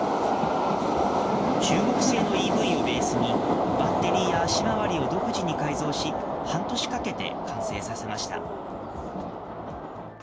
中国製のＥＶをベースに、バッテリーや足回りを独自に改造し、半年かけて完成させました。